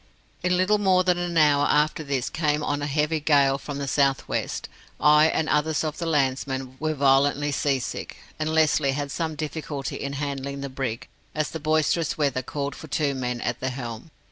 In little more than an hour after this came on a heavy gale from the south west. I, and others of the landsmen, were violently sea sick, and Lesly had some difficulty in handling the brig, as the boisterous weather called for two men at the helm.